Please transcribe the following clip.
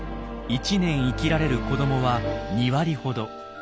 １年生きられる子どもは２割ほど。